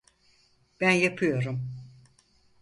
Ben yapıyorum.